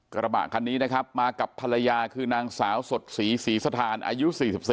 กระบะคันนี้นะครับมากับภรรยาคือนางสาวสดศรีศรีสถานอายุ๔๓